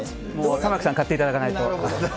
玉城さん、買っていただかないと。